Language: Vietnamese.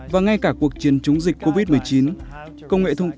và ngay cả cuộc chiến tranh